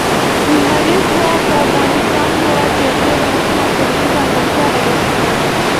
لمریز ځواک د افغانستان هېواد یوه ډېره مهمه طبیعي ځانګړتیا بلل کېږي.